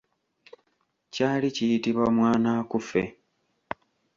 Kyali kiyitibwa mwanaakufe.